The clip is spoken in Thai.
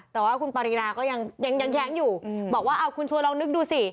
แต่ว่าคุณปรินาก็ยังแย้งอยู่บอกว่าเอาคุณชวนลองนึกดูสิ